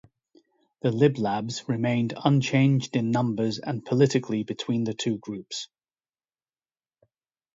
The Lib-Labs remained unchanged in numbers and politically between the two groups.